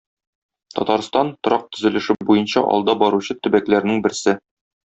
Татарстан - торак төзелеше буенча алда баручы төбәкләрнең берсе.